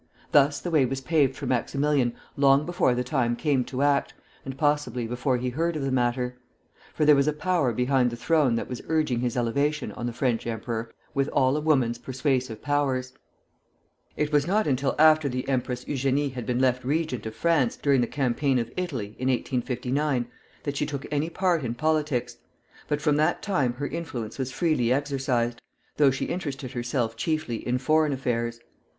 Thus the way was paved for Maximilian long before the time came to act, and possibly before he heard of the matter; for there was a power behind the throne that was urging his elevation on the French emperor with all a woman's persuasive powers. [Footnote 1: Pierre de Lana.] It was not until after the Empress Eugénie had been left regent of France, during the campaign of Italy, in 1859, that she took any part in politics; but from that time her influence was freely exercised, though she interested herself chiefly in foreign affairs.